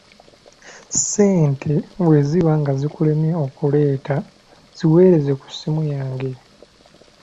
Ssente bwe ziba zikulemye okuleeta ziweereze ku ssimu yange.